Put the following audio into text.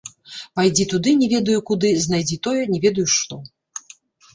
Пайдзі туды, не ведаю куды, знайдзі тое, не ведаю што.